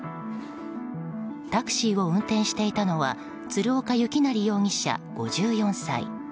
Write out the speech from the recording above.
タクシーを運転していたのは鶴岡幸成容疑者、５４歳。